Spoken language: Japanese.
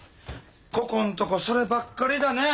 ここんとこそればっかりだね。